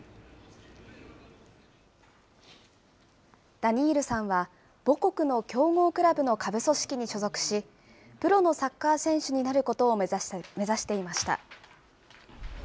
ダニールさんは、母国の強豪クラブの下部組織に所属し、プロのサッカー選手になることを目指していました。